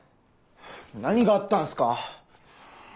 何があったんすか？